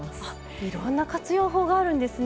いろんな活用法があるんですね。